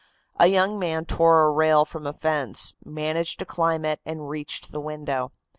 A young man tore a rail from a fence, managed to climb it, and reached the window.